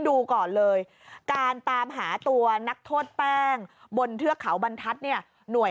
ดูก่อนเลยการตามหาตัวนักโทษแป้งบนเทือกเขาบรรทัศน์เนี่ยหน่วย